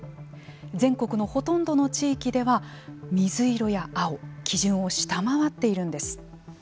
全国のほとんどの地域では水色や青基準を下回っているんです。